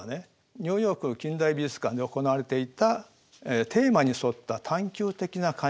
ニューヨーク近代美術館で行われていたテーマに沿った探究的な鑑賞という方法なんです。